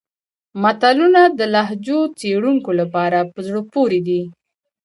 متلونه د لهجو څېړونکو لپاره په زړه پورې دي